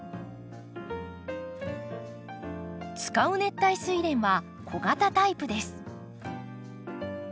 使う熱帯スイレンは小型タイプです。